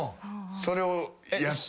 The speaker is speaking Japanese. それをやった。